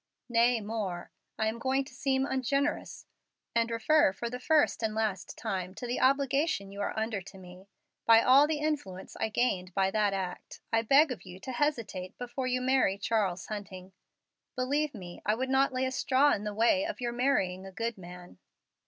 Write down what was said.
Nay, more: I am going to seem ungenerous, and refer for the first and last time to the obligation you are under to me. By all the influence I gained by that act, I beg of you to hesitate before you marry Charles Hunting. Believe me, I would not lay a straw in the way of your marrying a good man."